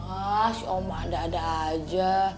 ah sih om ada ada aja